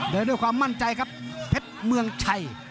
ด้วยความมั่นใจครับเพชรเมืองชัย